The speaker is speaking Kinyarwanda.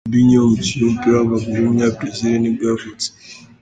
Robinho, umukinnyi w’umupira w’amaguru w’umunyabrezil nibwo yavutse.